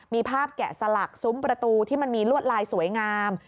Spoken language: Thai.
มีภาพแกะสลักซุ้มประตูที่มันมีลวดลายสวยงาม